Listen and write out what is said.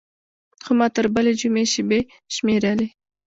خو ما تر بلې جمعې شېبې شمېرلې.